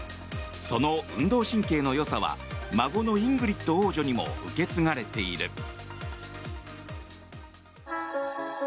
その運動神経の良さは孫のイングリッド王女にも受け継がれている。